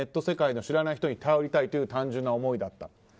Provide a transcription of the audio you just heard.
世界の知らない人に頼りたいという単純な思いだった。